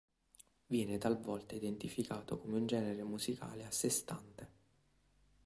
Viene talvolta identificato come un genere musicale a sé stante.